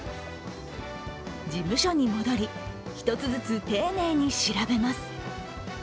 事務所に戻り、１つずつ丁寧に調べます。